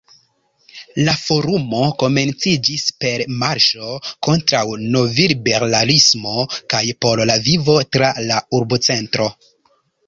La forumo komenciĝis per “marŝo kontraŭ novliberalismo kaj por la vivo tra la urbocentro.